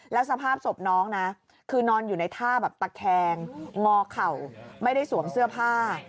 แล้วสภาพศพน้องนะคือนอนอยู่ในท่าแบบตะแคงงอเข่าไม่ได้สวมเสื้อผ้า